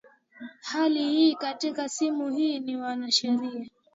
hali hii katika simu huyu ni mwanasheria